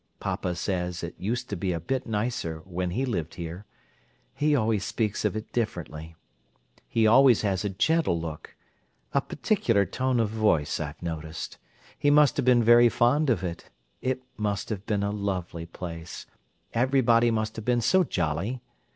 Papa says it used to be a bit nicer when he lived here: he always speaks of it differently—he always has a gentle look, a particular tone of voice, I've noticed. He must have been very fond of it. It must have been a lovely place: everybody must have been so jolly.